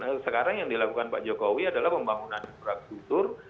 nah sekarang yang dilakukan pak jokowi adalah pembangunan infrastruktur